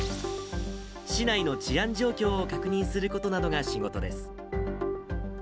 市内の治安状況を確認することなどが仕事です。